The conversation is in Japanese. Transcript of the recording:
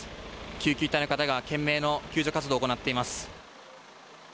救急隊が懸命の救助活動を行っています。